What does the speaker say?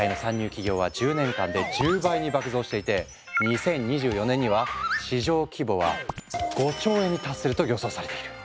企業は１０年間で１０倍に爆増していて２０２４年には市場規模は５兆円に達すると予想されている。